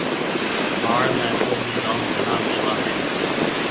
ٿاݪ ۾ تو جوم گھڻا ميوا هيَ۔